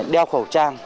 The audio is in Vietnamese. đeo khẩu trang